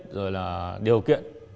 rồi là điều kiện